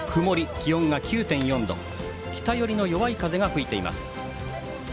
気温が９．４度北寄りの弱い風が吹いています。